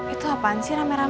itu apaan sih rame rame